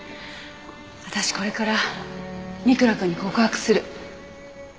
私これから三倉くんに告白する。